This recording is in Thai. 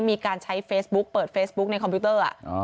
มีการใช้เฟซบุ๊กเปิดเฟซบุ๊กในคอมพิวเตอร์